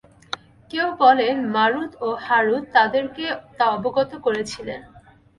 কেউ বলেন, মারূত ও হারূত তাদেরকে তা অবগত করেছিলেন।